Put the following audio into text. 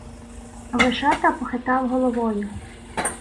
Вишата похитав головою.